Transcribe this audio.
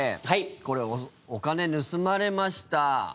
これお金盗まれました。